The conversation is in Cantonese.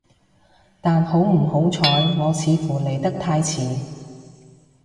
但好唔好彩，我似乎嚟得太遲